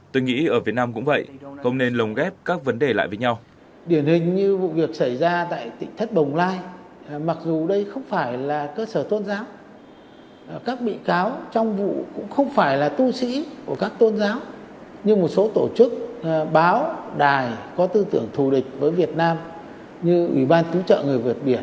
tôi nghĩ ở việt nam cũng vậy không nên lông ghép các vấn đề lại với nhau